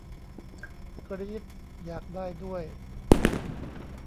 กรี๊ด อยากได้ด้วย